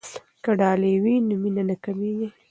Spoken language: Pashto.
که ډالۍ وي نو مینه نه کمېږي.